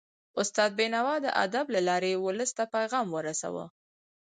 استاد بينوا د ادب له لارې ولس ته پیغام ورساوه.